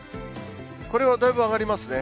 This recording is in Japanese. これはだいぶ上がりますね。